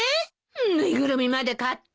縫いぐるみまで買って。